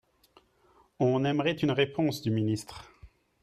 On aimerait une réponse du ministre